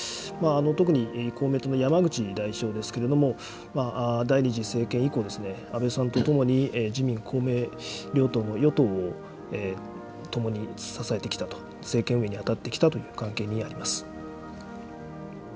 特に公明党の山口代表ですけれども、第２次政権以降、安倍さんとともに自民、公明両党の与党を共に支えてきたと、政権運営に当たってきたという関係にあります。